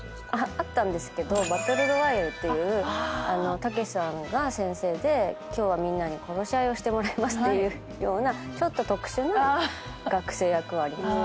あったんですけど『バトル・ロワイアル』っていうたけしさんが先生で「今日はみんなに殺し合いをしてもらいます」っていうようなちょっと特殊な学生役はありました。